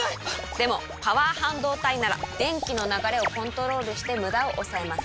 でもパワー半導体なら電気の流れをコントロールしてムダを抑えます。